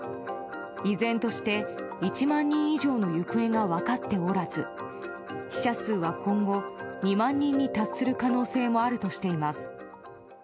依然として１万人以上の行方が分かっておらず死者数は今後２万人に達する可能性もあるとしています。